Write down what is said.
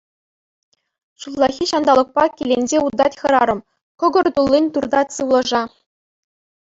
Ҫуллахи ҫанталӑкпа киленсе утать хӗрарӑм, кӑкӑр туллин туртать сывлӑша.